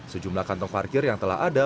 sejumlah kantong parkir yang telah ada